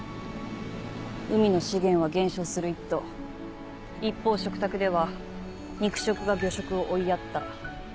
海の資源は減少する一途一方食卓では肉食が魚食を追いやった。